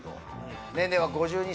年齢は５２歳。